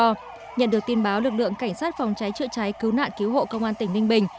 trước đó nhận được tin báo lực lượng cảnh sát phòng cháy chữa cháy cứu nạn cứu hộ công an tỉnh ninh bình